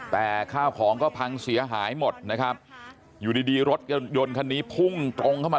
แต่ข้าวของก็พังเสียหายหมดนะครับอยู่ดีดีรถยนต์คันนี้พุ่งตรงเข้ามา